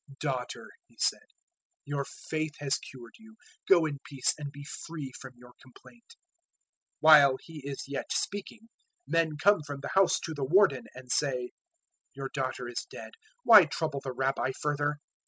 005:034 "Daughter," He said, "your faith has cured you: go in peace, and be free from your complaint." 005:035 While He is yet speaking, men come from the house to the Warden, and say, "Your daughter is dead: why trouble the Rabbi further?"